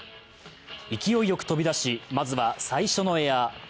勢いよく飛び出し、まずは最初のエア。